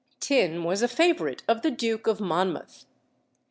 Thynne was a favourite of the Duke of Monmouth.